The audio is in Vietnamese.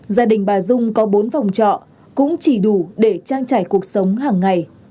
gia đình bà dung có bốn phòng trọ cũng chỉ đủ để trang trải cuộc sống hàng ngày